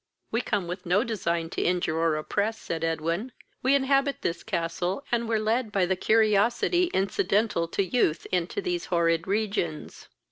"We come with no design to injure or oppress, (said Edwin.) We inhabit this castle, and were led by the curiosity incidental to youth into these horrid regions.